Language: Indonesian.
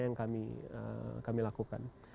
yang kami lakukan